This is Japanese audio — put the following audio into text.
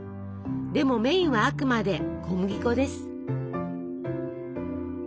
でもメインはあくまで小麦粉です。